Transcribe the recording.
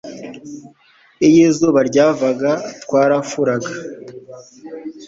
iyo izuba ryavaga, twarafuraga